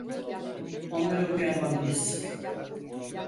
Onları uyarmalıyız.